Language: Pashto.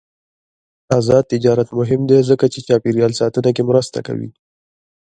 آزاد تجارت مهم دی ځکه چې چاپیریال ساتنه کې مرسته کوي.